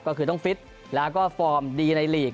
ก็คือต้องฟิตแล้วก็ฟอร์มดีในลีก